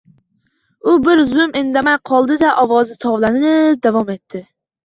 U bir zum indamay qoldi-da, ovozi tovlanib davom etdi.